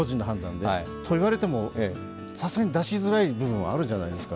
と言われても、さすがに出しづらい部分があるじゃないですか。